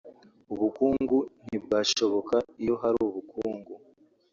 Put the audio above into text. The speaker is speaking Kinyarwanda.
ubukungu ntibwashoboka … iyo hari ubukungu